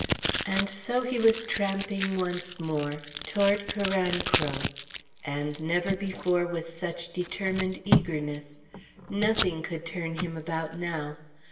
And so he was tramping once more toward Carancro. And never before with such determined eagerness. Nothing could turn him about now.